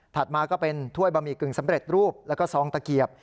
มาก็เป็นถ้วยบะหมี่กึ่งสำเร็จรูปแล้วก็ซองตะเกียบ